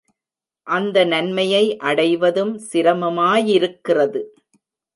அந்த நன்மையை அடைவதும் சிரமமாயிருக்கிறது.